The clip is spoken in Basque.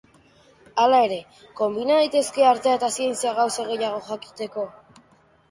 Hala ere, konbina daitezke artea eta zientzia gauza gehiago jakiteko?